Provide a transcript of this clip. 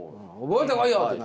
覚えてこいよって。